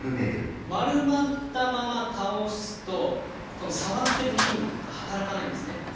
丸まったまま倒すとこの触ってる筋肉って働かないんですね。